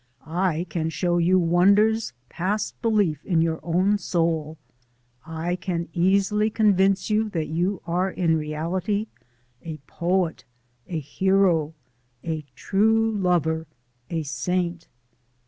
I can show you wonders past belief in your own soul. I can easily convince you that you are in reality a poet, a hero, a true lover, a saint.